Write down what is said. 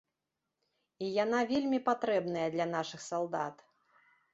І яна вельмі патрэбная для нашых салдат.